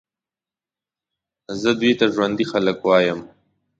زه دوی ته ژوندي خلک وایم.